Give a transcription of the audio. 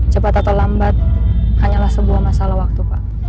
cepat atau lambat hanyalah sebuah masalah waktu pak